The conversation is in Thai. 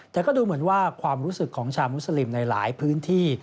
แต่ก็ดูเหมือนว่าความรู้สึกของชาวมุสลิมในหลายพื้นที่